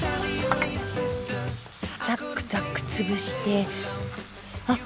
ザックザック潰してあっ！